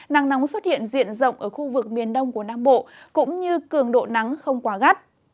nắng nóng xuất hiện diện rộng ở khu vực miền đông của nam bộ cũng như cường độ nắng không quá gắt